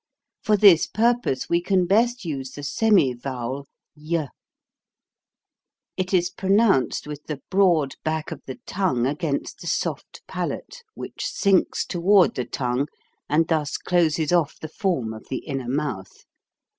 For this purpose we can best use the semi ^ vowel y. It is pronounced with the broad i 7i "^ ty back of the tongue against the soft palate which >o sinks toward the tongue and thus closes off the form of the inner mouth.